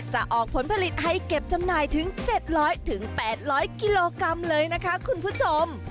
จะออกผลผลิตให้เก็บจำหน่ายถึง๗๐๐๘๐๐กิโลกรัมเลยนะคะคุณผู้ชม